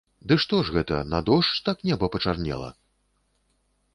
Ды што ж гэта, на дождж так неба пачарнела?